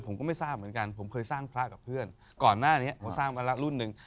ผมก็ไม่ทราบเหมือนกันผมเคยสร้างพระกับเพื่อนก่อนหน้านี้เขาสร้างมาแล้วรุ่นหนึ่ง